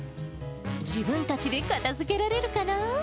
自分たちで片づけられるかな？